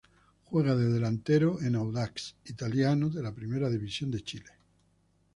Juega de delantero en Audax Italiano de la Primera División de Chile.